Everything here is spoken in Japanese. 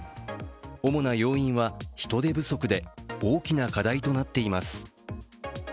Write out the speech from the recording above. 主な要因は人手不足で大きな課題となっています。